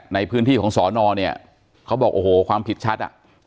ในพื้นที่ของสอนอเนี่ยเขาบอกโอ้โหความผิดชัดอ่ะ